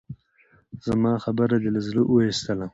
زما خبره دې له زړه اوېستله؟